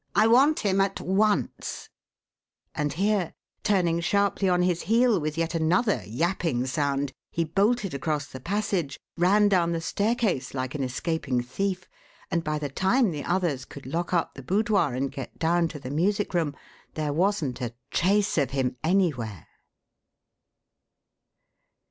I want him at once!" And here, turning sharply on his heel with yet another yapping sound, he bolted across the passage, ran down the staircase like an escaping thief, and by the time the others could lock up the boudoir and get down to the music room, there wasn't a trace of him anywhere.